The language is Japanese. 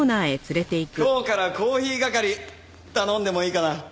今日からコーヒー係頼んでもいいかな？